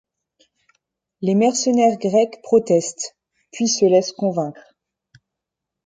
Les mercenaires grecs protestent, puis se laissent convaincre.